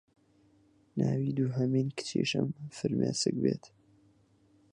ناوی دوهەمین کچیشم فرمێسک بێت